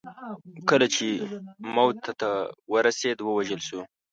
کله چې موته ته ورسېد ووژل شو.